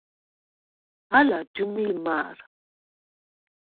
ალა ჯჷმილ მა̄რ.